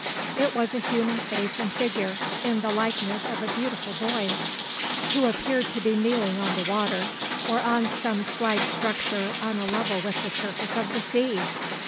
It was a human face and figure, in the likeness of a beautiful boy, who appeared to be kneeling on the water, or on some slight structure on a level with the surface of the sea!